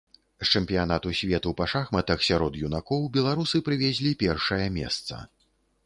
З чэмпіянату свету па шахматах сярод юнакоў беларусы прывезлі першае месца.